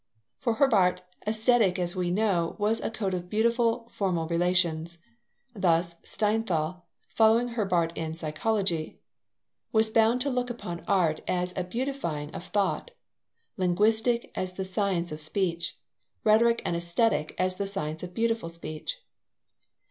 For Herbart, Aesthetic, as we know, was a code of beautiful formal relations. Thus Steinthal, following Herbart in psychology, was bound to look upon Art as a beautifying of thought, Linguistic as the science of speech, Rhetoric and Aesthetic as the science of beautiful speech.